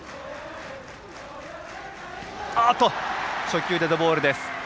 あっと、初球デッドボールです。